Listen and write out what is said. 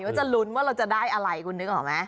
ว่าจะลุ้นว่าเราจะได้อะไรคุณนึกออกไหม